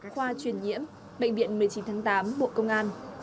khoa truyền nhiễm bệnh viện một mươi chín tháng tám bộ công an